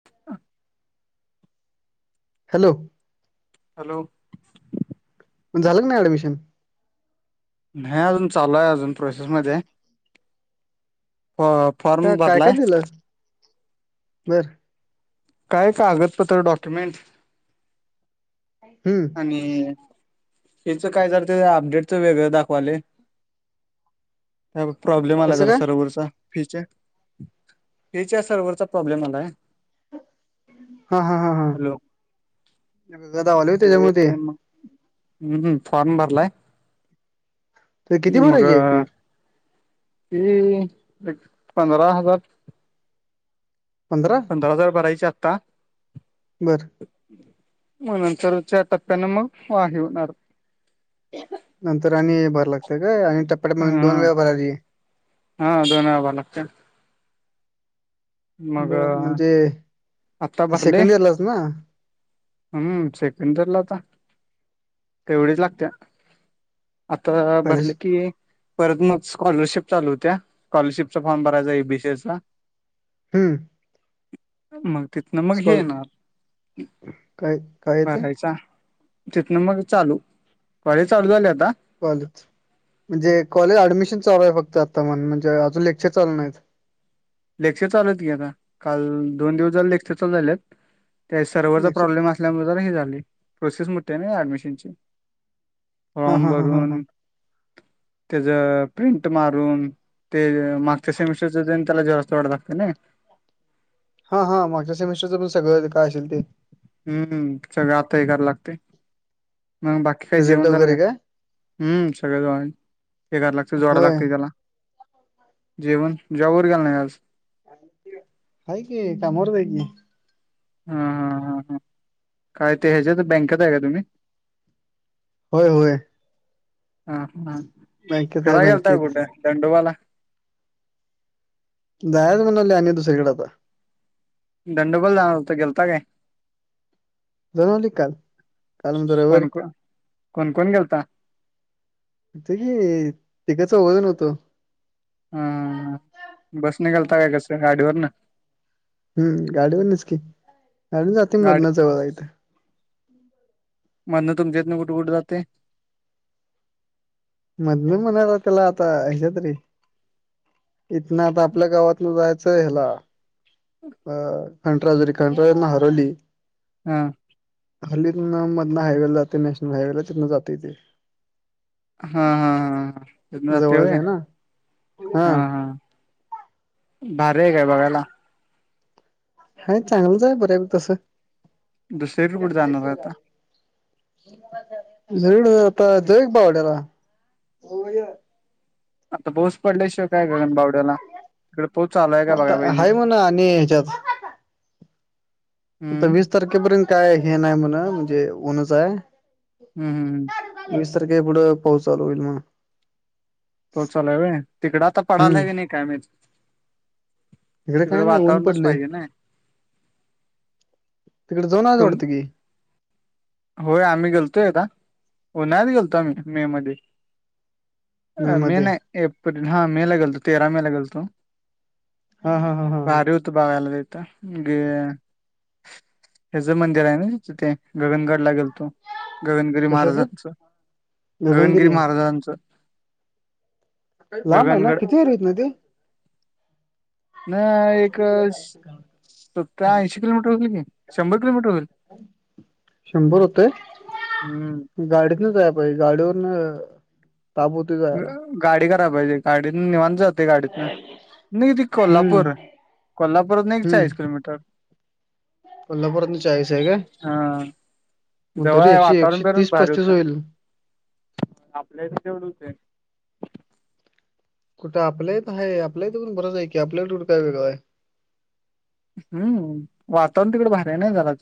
[unintelligible] Hello hello मं झाल का नाय ऍडमिशन. न्हाय अजून चालू हाय अजून प्रोसेस मध्ये हो का काय काय दिलं- बर काय कागदपत्र डॉक्युमेंट हम्म आणि याच काय झालत ते अपडेटच वेगळं दाखवाले. त्या ब प्रॉब्लेम आला कसं जरा काय सर्व्हरचा फीच्या फीच्या सर्व्हरचा प्रॉब्लेम आलाय. हा हा हा हा हॅलो गदा वाले हो तेज्या मध्ये ते मग हम्म हम् फॉर्म भरलाय. ते किती भरायची आहे फी? ते एक पंधरा हजार. पंधरा? पंधरा हजार भरायचे आता. बरं मग नंतरच्या टप्प्यानें मग वाढी होणार. नंतर आणि भारी लागतंय काय आणि टप्पा टप्प्यांनं हा दोन वेळा भरायची. हा दोन वेळा भराया लागत्या. मग बरं म्हणजे आता भरलय सेकंड इयरलाच ना हम्म सेकंड ईयरला आता तेवढीच लागते. आता जरा पहिले भरले की परत मग स्कॉलरशिप चालू होत्या स्कॉलरशिपचा फॉर्म भरायचा एबीसीएसचा. हम्म. मग तिथन मग हे स्कॉल येणार काय काय येते भरायचा तिथन मग चालू काँलेज चालू झालय आता. कॉलेज म्हणजे कॉलेज ऍडमिशन चालू आहे फक्त आता म्हण म्हणजे अजून लेक्चर चालू नाहीत. लेक्चर चालू आहेत की आता काल दोन दिवस झाले लेक्चर चालू झाले आहेत त्या सर्वरचा लेक्चर प्रॉब्लेम अस असल्यामुळे जरा हे झाले प्रोसेस मोठी आहेना ऍडमिशनची हा फॉर्म हा हा हा हा भरून त्याच प्रिंट मारून ते मागच्या सेमिस्टरचं तेन चला जोरथोडताते ना [unintelligible] हा हा मागच्या सेमिस्टरचं पण सगळं काय असेल ते. हम्म हम सगळं आता हे करायला लागतंय मग बाकी काही रिझल्ट जेवण झालं वगैरे काय? हम्म सगळं [unintelligible] जोडा होय लागतय त्याला जेवन जाँब वर गेल नाही आज? हाय की कामारच हाय की. हां हां हां हां काय ते ह्याच्यात बँकेत आहे का तुम्ही? हो हो हा हा बँकेत आहे फिराय गेलता बँकेत कुठं दंडोबाला? जायच म्हणाले आणि दुसरीकडे आता. दंडोबाला जाणार होता गेलता काय? जाऊन आली का काल. काल कोण रविवार. कोण कोण कोण गेलतं? होतं की तिघं चौघेजण होतो. हम बस नि गेलता का कसं गाडी वरणं? हम्म गाडीवरनच की गाडी जाते गाडी मदन जवळ हाय इथं. म्हणं तुमच्यातन कुठ कुठ जाते? मधन म्हणाला त्याला आता ह्या तरी इथन आता आपल्या गावातन जायचंय हेला खंडेराजुरी खंडेराजुरी मग हरवली. हा हरोल्ली तिथन मधन हायवे ला जात नॅशनल हायवे ला तिथन जाता येते. हा हा हा ह तिथनं जाते होय जवळच आहे ना हा हा. भारी आहे काय बघायला? आहे चांगलंच आहे बऱ्यापैकी तस. दुसरीकडे कुठे जाणार आहे आता [unintelligible] आता जावक बावड्याला आता पाऊस पडल्याशिवाय काय गगन बावड्याला तिकड पाऊस चालू हाय काय बघाय आता पाईजे. हाय म्हण आणि ह्याच्यात आता वीस तारखेपर्यंत काय हे नाही म्हण म्हणजे ऊनच आहे. हम्. वीस तारखे पुढं पाऊस चालू होईल मग. पाऊस चालू आहे व्हय, तिकड आता हम्म पडालाही नाही काय मी इकडे काय नाही ऊन पडले. ना तिकडे जाऊन आले तुम वाटत की. होय आम्ही गेलतो एकदा उन्हाळ्यात गेलतो आम्ही मे मध्ये. अ मे नाही एप्रिल हा मे ला गेलतो तेरा मे ला गेलतो. हा, हा, हा, हा भारी होत बघायला तिथं गे हेचं मंदिर आहे ना तिथे गगनगड ला गेलतो. गगनगिरी कशाच महाराजांचं, गगनगिरी महाराजांचं. लांब आहे ना गगनगड किती [unintelligible] किलोमीटर येते न एक सत्तय ऐंशी किलोमीटर होउल की. शंभर किलोमीटर होईल शंभर होते. गाडीतनच जाया पाहिज गाडीवरून ताबूत गाडी करायला पाहिजे गाडीतन निवांत जात. गाडीतून नाही ते हम्म कोल्हापूर कोल्हापूरात एक चाळीस किलोमीटर. कोल्हापूरातन चाळीस आहे का? हा. जवळ आहे वातावरण एकशे बी तीस भारी पस्तीस होते होईल आपल्याच तेवढच आहे. कुठं आपल्या इथं आहे आपल्या इथे पण बरच आहे की आपल्याला कुठं काय वेगळं आहे. हम्म, वातावरण तिकड भारी आहे ना जरा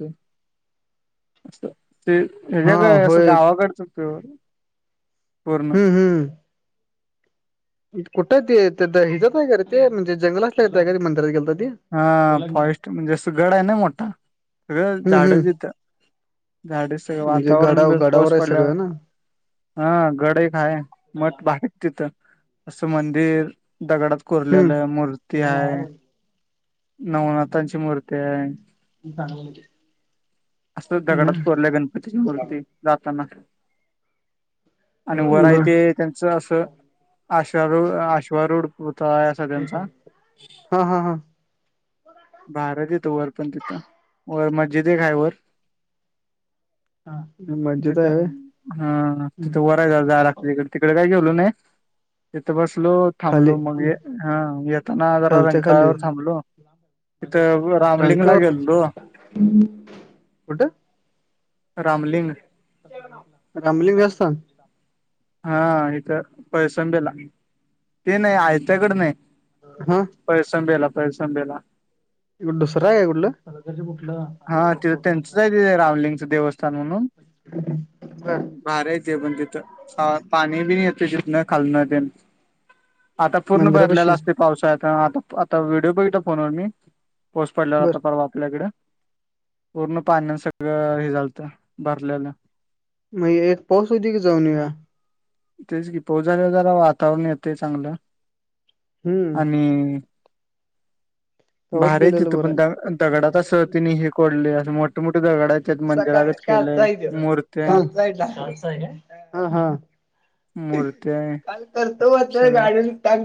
ते हा हच्याकडे असं होय गावाकडचते पूर्ण हम्म हम्म. कुठं आहे ते हीतच आहे का रे ते म्हजे जंगलातला आहे का ते मंदीरात गेलता ते. हा फॉरेस्ट म्हणजे असं गड आहे ना मोठा सगळं हम्म झाड हम्म तिथं झाडी सगळ म्हणजे वातावरण ब गडाव गडावर पाऊस आहे पडल्यावर सगळं ना हा गड एक हाय, मठ बाहेर तिथं असं मंदिर दगडात कोरलेला हम्म मूर्ती आहे. नवनाथांची मूर्ती आहे. असं दगडात कोरल्या गणपतीची मूर्ती जाताना आणि वर हाय बर ते त्यांनच अस आशा रोड अश्वारूढ पुरता हा, हा, हा, भारच येतं वर पण तिथं वर मज्जिद आहे काय वर? मस्जिद तथ आहे होय हा तिथ त्या झाडाखाली तिकडे काय गेलो नाही तिथं बसलो खाली थांबलो मग ह येताना जरा रंकावर थांबलो. तिथं रामलिंगला गेलतो [unintelligible] कुठं? रामलिंग रामलिंग असतान. हा इथं पैसंबेला ते नाही आयच्याकड नाही. हा. पैसं बेला, पैसं बेला. दुसरं आहे कुठलं? हा तिथं त्यांचंच आहे तिथे रामलिंगच देवस्थान म्हणून बर भारी आहे ते पण तिथं, पाणी बिणी येत तिथून खाल न आता पूर्ण मंदिरापाशी भरलेला असते पावसाळ्यात, आता आता व्हिडओ बघितला पोरांनी पाऊस पडलेला होता बर परवा आपल्याकडे. पूर्ण पाण्याने सगळं हे झालतं भरलेलं मग एक पाऊस होऊ दे की जाऊन येऊया. तेच की पाऊस झाल्यावर जरा वातावरण येतय चांगलं हम्म आणि तवाच भारी आहे गेलेलं तिथं बरं पण द दगडात असं आहे. तिने हे कोरले असं मोठे मोठे दगड आहेत त्यात सकाळ मंदिरागत काल केलंय चाय ते मूर्त्या आहे काल चा ह हा मूर्तेय तर तो गाडी टाक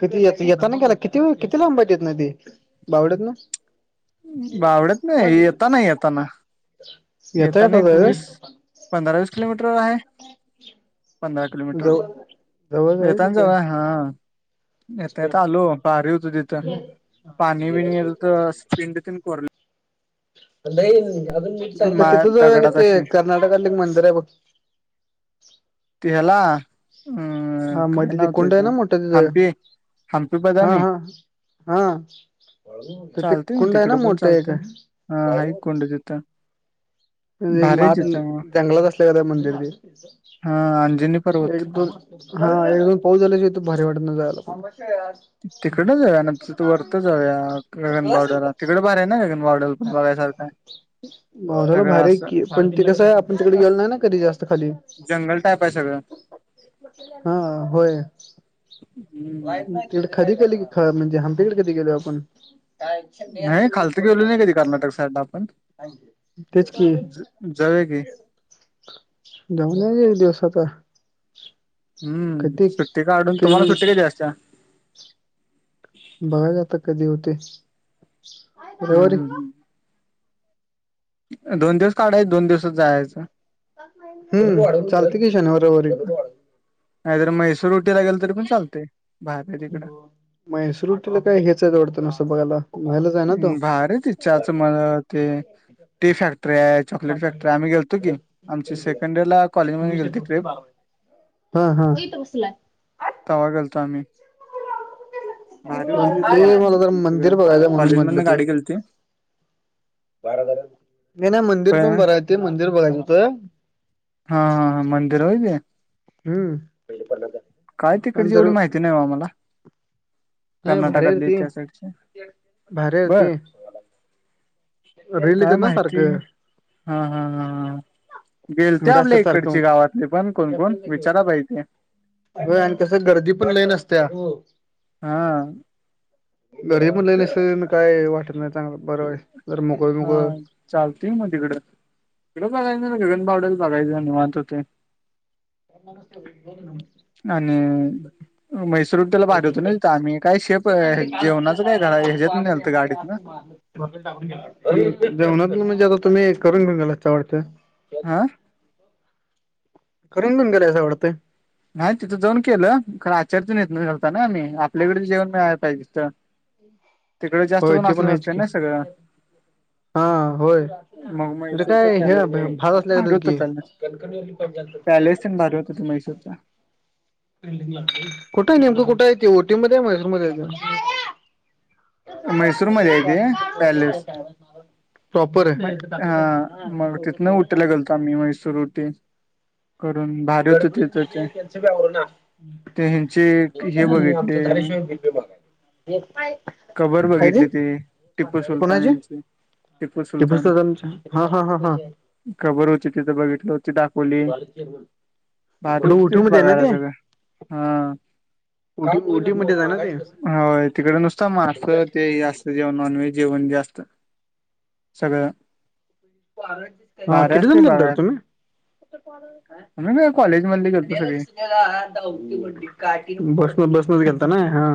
किती येताना केला किती किती लांबाये ते? बावड्यातन. बावडेत नाही येताना येताना. येता येताना येताच एक हाय होय? वीस पंधरा वीस किलोमीटरवर आहे. पंधरा किलोमीटर जवळ जवळ आहे येताना तिथं जवळ हा. येता येता आलो भारी होत तिथं पाणी बिणी येत हुय अस पिंड तिन कोरले मा तिथ जाऊया काय दगडात ते अशी कर्नाटकात एक मंदिर आहे बघ ते हेला हा मग तिथे कुंड आहे ना मोठं तिथं. हम्पी हम्पी हा बदामी हा हा तिथे चालतय मग कुंड आहे ना तिकडे पण मोठा एक. चालतय हा हाय कुंड तिथं म्हण एक भारी आहे मात तिथं मग जंगलाच असल्यागत आहे मंदिर ते हा अंजनी पर्वत एक दोन हा एकदान पाऊस झाल्याशिवाय तित भारी वाटत नाही जायला तिकडं जाऊया ना तिथं वरत जाऊया गगनबावड्याला तिकडे भारी आहे ना गगनबावड्याला पण बघायसारखं आहे [unintelligible] बावड्याला सगळं भारी होय असं की पण ते कसं आहे आपण तिकडे गेलो नाही ना कधी जास्त खाली जंगल टाईप आहे सगळं हा होय. तिकडे कधी केली की ख म्हणजे हंपी कडे कधी गेलो आपण? नाही खालती गेलं नाही कधी कर्नाटक साईडला आपण. तेच की जाऊया की जाऊन येउया एक दिवस आता. हम्म कधी सुट्टी काढून ते तुम्हाला म्हणजे सुट्टी कधी असत्या? बघायचा आता कधी होतंय. हम् हम् हम. दोन दिवस काढायच दोन दिवस जायचं. हम चालते की शनिवारी रविवारी. नाहीतर मैसूर उटी ला गेल तरी पण चालते. म्हैसूर उटी ला काय ह्याच आहेत वाटत नुसतं बघायला बाहेरलाच आहे ना तो भारी ती च्याच मग ते टी फॅक्टरी आहे. चॉकलेट फॅक्टरी आम्ही गेलतो की आमची सेकंड यर ला कॉलेजमध्ये गेलती ट्र्रीप हा हा तवा गेलतो आम्ही भारी होत तिथलं ते मला जरा वातावरण सगळं मंदिर असं बघायचं म्हणून म्हणलं कॉलेजमधनं ते गाडी गेलती नाही नाही मंदिर पण बर आहे ते मंदिर बघायच होतं हां हां हां मंदिर होय ते? हम्म काय आणि तिकडची जर एवढी माहिती नाही बा मला. नाही भारी आहे रे कर्नाटकातले ते इति साईडचे भारी आहे बर. रे ते रील काय येतात ना माहिती सारखं हा हा ह. गेलते व्हिडिओ आपल्या असतात सारखं इकडची गावातली पण कोणकोण विचाराय पाहिजे. हो आणि कस गर्दी पण लय नसत्या. हा घरी मुले अस काय वाटत नाही चांगलं बरं जर मोकळ हा मोकळ चालते मग तिकड तला बघायचं ना गगन बावड्यात बघायचं निवांत होते [inaudible] आणि मैसूर, उटी ला पाठवतो नाही का आम्ही, काय शेप अ जेवणाच काय करा ह्याच्यात नेहलत गाडीत ना. जेवणात म्हणजे आता तुम्ही करून घेऊन गेलात काय वाटत? [unintelligible] हा! करून घेऊन गेला असं वाडतय. नाही तिथं जाऊन केलं, खर आचरी तिथं ने नेलता ना आम्ही, आपल्याकडच जेवण मिळाया पाहिजे तीथ. तिकड जास्त होय पण ते असले आहेच नसते की ना सगळं. हा! होय मग म्हणजे म्हैसूरचा काय हे पॅलेस भात बघितला असल्या भारी की [unintelligible] सम भारी हो त मैसूरचा. कुठं नेमकं, कुठय ते ओटी मध्ये, मैसूर मध्ये येत. मैसूर मदे आहे ते पॅलेस. प्रॉपर म आहे. हा म तिथन उटी, ला गेलतो आम्ही मैसूर उटी. करून भारी होतं तिथं ते गडबडीमध्ये त्याच बी आवरणा. ते ह्यांचे हे आणि बघितले आमच धारेशीव बी पी मागयला कबर [unintelligible] कायतीं बघितले ते टिपू सुलतान कोणाची? यांचे टिपू ते सुलतान हा हा हा हा [unintelligible] कबर होती तिथं बघितलं होती ती दाखवली, कुठं बारूत ओटी तेच मध्ये आहे ना बघायला ते सगळं. ओटी ओटी मध्येच आहे ना ते? हा व्हय तिकड नुसता मा स ते जास्त जेवन, नॉन व्हेज, जेवण जास्त सगळं. हा भारी किती असतंय जण गेलता रें तुम्ही? [unintelligible] काय? आमी काय कॉलेज मधले गेलंतो सगळी. बसन बसनच गेलता ना हा.